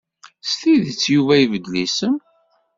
S tidet Yuba ibeddel isem?